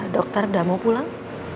dokter udah mau pulang